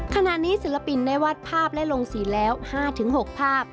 ขณะนี้ศิลปินได้วาดภาพและลงศีลแล้ว๕๖ภาพ